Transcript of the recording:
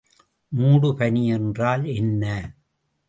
மூடுபனி என்றால் என்ன?